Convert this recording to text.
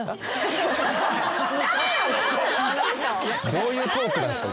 どういうトークなんですか？